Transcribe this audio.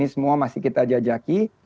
semua masih kita menjajaki